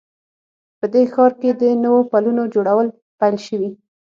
په دې ښار کې د نوو پلونو جوړول پیل شوي